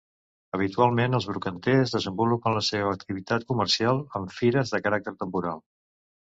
Habitualment els brocanters desenvolupen la seva activitat comercial en fires, de caràcter temporal.